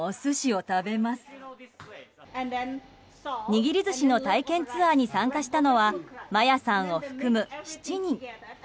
握り寿司の体験ツアーに参加したのはマヤさんを含む７人。